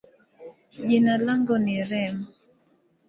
jina langu ni Reem.